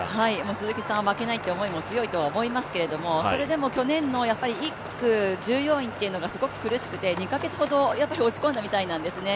鈴木さんは負けないという思いも強いと思いますけどそれでも去年の１区１４位というのがすごく苦しくて２か月ほど落ち込んだみたいなんですね。